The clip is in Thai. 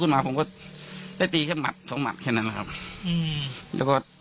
มาผมก็ได้ตีแค่หมัดสองหมัดแค่นั้นนะครับอืมแล้วก็